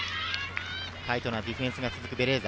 タイトなディフェンスが続くベレーザ。